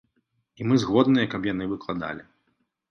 І мы згодныя, каб яны выкладалі.